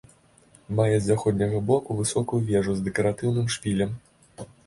Мае з заходняга боку высокую вежу з дэкаратыўным шпілем.